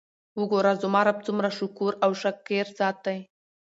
وګوره! زما رب څومره شکور او شاکر ذات دی!!؟